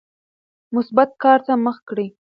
مثبت کار ته مخه کړئ.